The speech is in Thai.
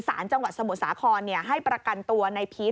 สารจังหวัดสมุทรสาครให้ประกันตัวในพีช